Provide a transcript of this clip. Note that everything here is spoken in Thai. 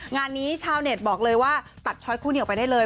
งานนี้ชาวเน็ตบอกเลยว่าตัดช้อยคู่เดียวไปได้เลย